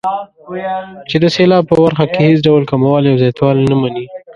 چې د سېلاب په برخه کې هېڅ ډول کموالی او زیاتوالی نه مني.